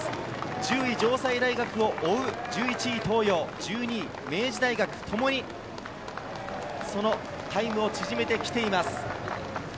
１０位・城西大学を追う１１位・東洋、１２位・明治大学、ともにそのタイムを縮めてきています。